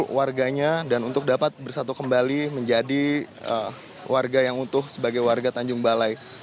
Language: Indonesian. untuk warganya dan untuk dapat bersatu kembali menjadi warga yang utuh sebagai warga tanjung balai